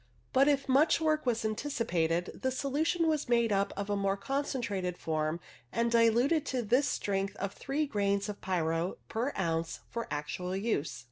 But if much work was anticipated the solution 176 CLOUD PHOTOGRAPHY was made up in a more concentrated form, and diluted to this strength of 3 grains of pyro per ounce for actual use.